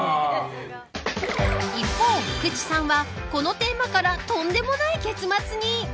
一方、福地さんはこのテーマからとんでもない結末に。